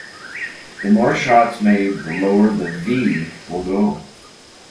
The more shots made the lower the "v" will go.